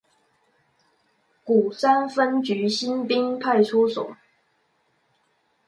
鼓山分局新濱派出所